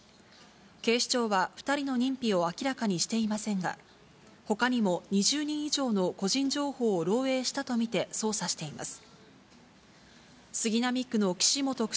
警視庁は２人の認否を明らかにしていませんが、ほかにも２０人以上の個人情報を漏えいしたと見て捜査しています。